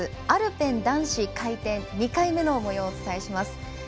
アルペン男子回転の２回目のもようをお伝えします。